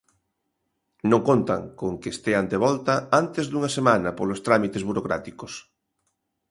Non contan con que estean de volta antes dunha semana, polos trámites burocráticos.